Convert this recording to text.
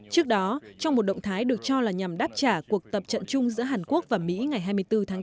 trước đó trong một động thái được cho là nhằm đáp trả cuộc tập trận chung giữa hàn quốc và mỹ ngày hai mươi bốn tháng bốn